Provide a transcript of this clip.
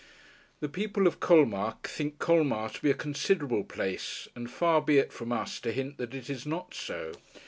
The people of Colmar think Colmar to be a considerable place, and far be it from us to hint that it is not so.